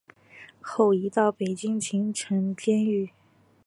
后移到北京秦城监狱。